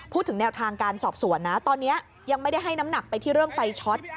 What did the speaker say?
พูดถึงแนวทางการสอบสวนนะตอนนี้ยังไม่ได้ให้น้ำหนักไปที่เรื่องไฟช็อต